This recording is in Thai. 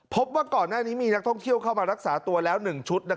พบว่าก่อนหน้านี้มีนักท่องเที่ยวเข้ามารักษาตัวแล้ว๑ชุด